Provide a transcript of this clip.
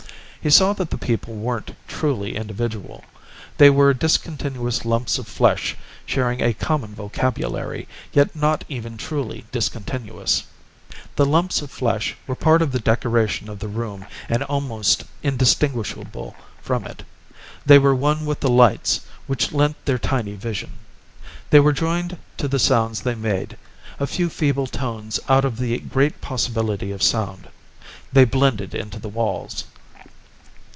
He saw that the people weren't truly individual. They were discontinuous lumps of flesh sharing a common vocabulary, yet not even truly discontinuous. The lumps of flesh were a part of the decoration of the room and almost indistinguishable from it. They were one with the lights, which lent their tiny vision. They were joined to the sounds they made, a few feeble tones out of the great possibility of sound. They blended into the walls.